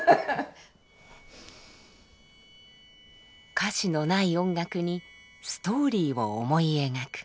歌詞のない音楽にストーリーを思い描く。